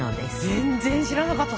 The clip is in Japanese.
全然知らなかった！